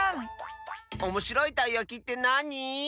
おもしろいたいやきってなに？